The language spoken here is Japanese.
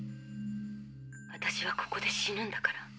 私はここで死ぬんだから。